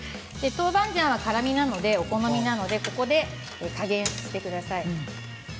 豆板醤は辛味なのでお好みなのでここで加減してください。